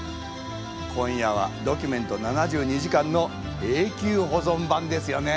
今夜は「ドキュメント７２時間」の永久保存版ですよね。